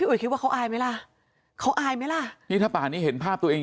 อุ๋ยคิดว่าเขาอายไหมล่ะเขาอายไหมล่ะนี่ถ้าป่านนี้เห็นภาพตัวเอง